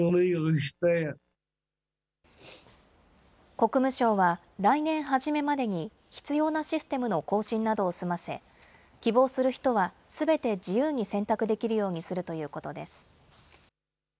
国務省は、来年初めまでに必要なシステムの更新などを済ませ、希望する人はすべて自由に選択できるようにするということです。